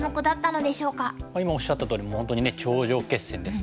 今おっしゃったとおり本当に頂上決戦ですけれども。